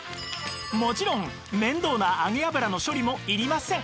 もちろん面倒な揚げ油の処理もいりません